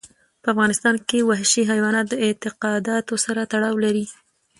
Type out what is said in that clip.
په افغانستان کې وحشي حیوانات د اعتقاداتو سره تړاو لري.